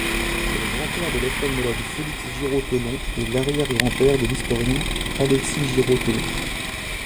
C’est le grand-père de l’ophtalmologue Félix Giraud-Teulon et l’arrière-grand-père de l’historien Alexis Giraud-Teulon.